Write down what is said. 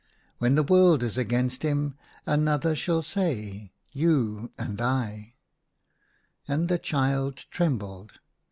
When the world is against him, another shall say, ' You and /.'" And the child trembled.